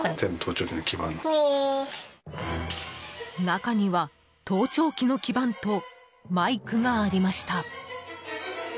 中には盗聴器の基盤とマイクがありました。